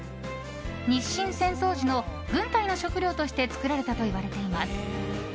日清戦争時の軍隊の食料として作られたといわれています。